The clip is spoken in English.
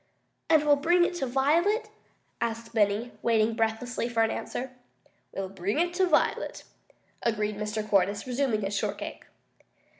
"And we'll bring it to Violet?" asked Benny, waiting breathlessly for an answer. "We'll bring it to Violet," agreed Mr. Cordyce, resuming his shortcake.